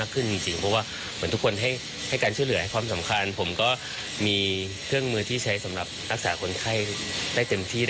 เครื่องมือที่ใช้สำหรับรักษาคนไข้ได้เต็มที่ได้